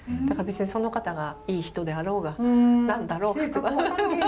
だから別にその方がいい人であろうが何だろうが。